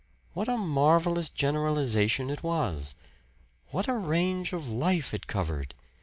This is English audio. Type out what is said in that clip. What a marvelous generalization it was! What a range of life it covered!